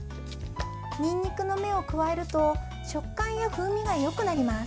にんにくの芽を加えると食感や風味がよくなります。